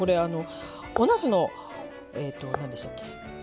おなすのえと何でしたっけ。